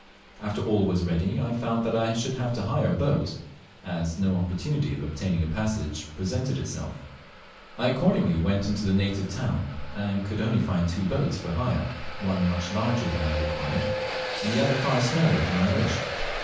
After all was ready I found that I should have to hire a boat, as no opportunity of obtaining a passage presented itself. I accordingly went into the native town, and could only find two boats for hire, one much larger than I required, and the other far smaller than I wished.